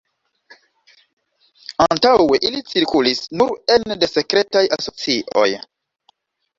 Antaŭe ili cirkulis nur ene de sekretaj asocioj.